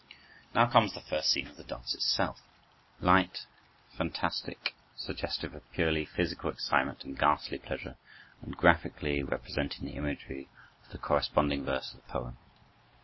Now comes the first theme of the dance itself, light, fantastic, suggestive of purely physical excitement and ghastly pleasure, and graphically representing the imagery of the corresponding verse of the poem.